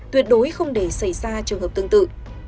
tuyệt đối không để xảy ra trường hợp tương tự